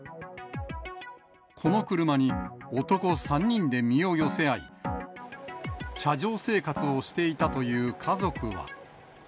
この車に男３人で身を寄せ合い、車上生活をしていたという家族は。